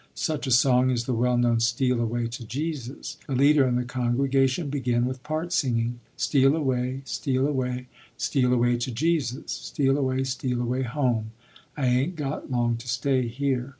Such a song is the well known "Steal away to Jesus." The leader and the congregation begin with part singing: _Steal away, steal away, Steal away to Jesus; Steal away, steal away home, I ain't got long to stay here.